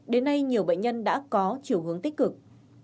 đến nay nhiều bệnh nhân đã có chiều hướng tích cực